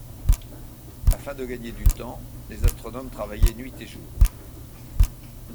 Afin de gagner du temps, les astronomes travaillaient nuit et jour.